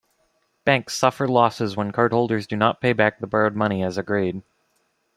Banks suffer losses when cardholders do not pay back the borrowed money as agreed.